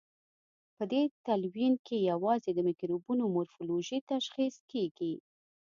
په دې تلوین کې یوازې د مکروبونو مورفولوژي تشخیص کیږي.